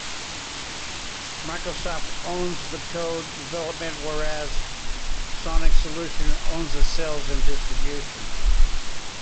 Microsoft owns the code development whereas Sonic Solutions owns the sales and distribution.